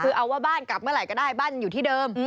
คือเอาว่าบ้านกลับเมื่อไหร่ก็ได้บ้านอยู่ที่เดิม